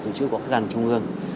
dưới chữ của các ngàn trung ương